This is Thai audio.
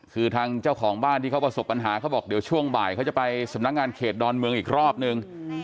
คือทางเจ้าของบ้านที่เขาประสบปัญหาเขาบอกเดี๋ยวช่วงบ่ายเขาจะไปสำนักงานเขตดอนเมืองอีกรอบนึง